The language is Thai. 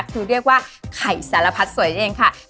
คือเรียกว่าไข่สารพัดสวยนั่นเองค่ะ